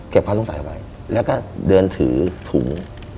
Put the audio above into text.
เก็บความต้องใส่ออกไปแล้วก็เดินถือถุง